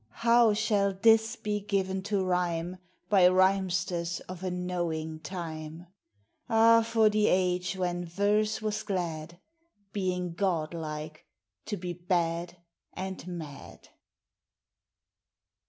how shall this be given to rhyme, By rhymesters of a knowing time ? Ah ! for the age when verse was glad, Being godlike, to be bad and mad.